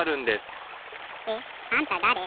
えっあんただれ？